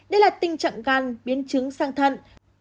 đây là tình trạng gan biến chứng sang thận